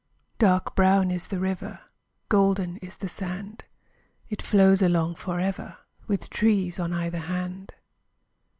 Dark brown is the river, Golden is the sand. It flows along for ever, With trees on either hand.